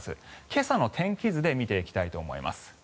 今朝の天気図で見ていきたいと思います。